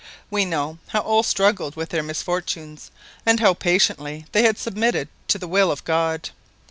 We know how all struggled with their misfortunes, and how patiently they had submitted to the will of God.